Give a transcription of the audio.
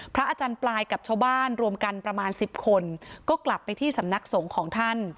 อาจารย์ปลายกับชาวบ้านรวมกันประมาณสิบคนก็กลับไปที่สำนักสงฆ์ของท่าน